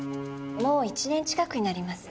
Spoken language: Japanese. もう１年近くになります。